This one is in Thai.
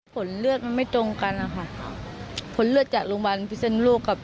ผลเลือดมันไม่ตรงกันนะคะผลเลือดจากโรงพยาบาลพิศนุโลกกับ